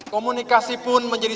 komunikasi pun menjadi